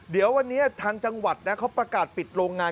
เดี๋ยววันนี้ทางจังหวัดนะเขาประกาศปิดโรงงาน